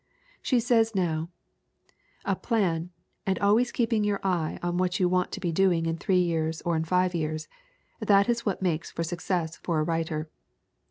She says now: "A plan, and always keeping your eye on what you want to be doing in three years or in five years that is what makes for success for a writer.